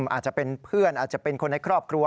อาจจะเป็นเพื่อนอาจจะเป็นคนในครอบครัว